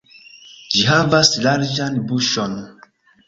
Ĝi havas larĝan buŝon.